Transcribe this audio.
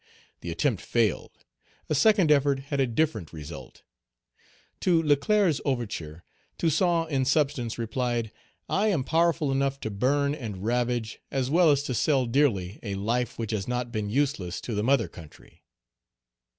The attempt failed. A second effort had a different result. To Leclerc's overture, Toussaint in substance replied, "I am powerful enough to burn and ravage, as well as to sell dearly a life which has not been useless to the mother country."